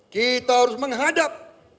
kita harus menghadap